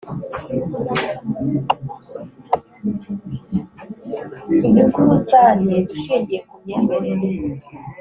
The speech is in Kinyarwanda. inyungu rusange ushingiye ku myemerere